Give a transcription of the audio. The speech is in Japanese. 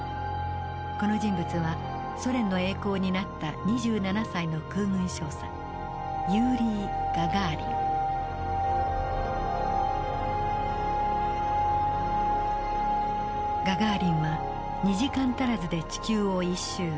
この人物はソ連の栄光を担った２７歳の空軍少佐ガガーリンは２時間足らずで地球を１周。